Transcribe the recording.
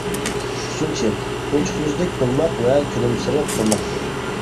ئۈچىنچى، ئوچۇق يۈزلۈك بولماق ۋە كۈلۈمسىرەپ تۇرماق.